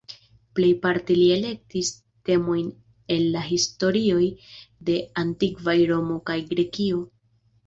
Plejparte li elektis temojn el la historioj de antikvaj Romo kaj Grekio.